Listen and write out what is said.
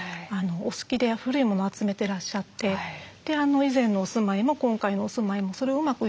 お好きで古い物を集めてらっしゃって以前のお住まいも今回のお住まいもそれをうまく